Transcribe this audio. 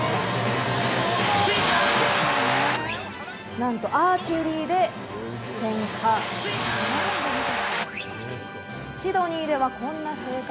何とアーチェリーで点火。